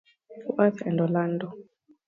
Worth and Orlando.